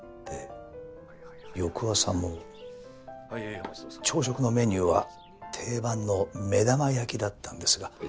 はいお待ち遠さま朝食のメニューは定番の目玉焼きだったんですが。